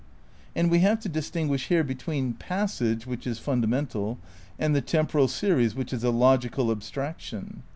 And we have to distinguish here between "passage" which is "fundamental" and "the temporal series which is a logical abstraction.